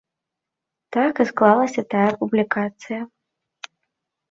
Так і склалася тая публікацыя.